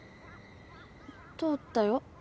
通ったよ。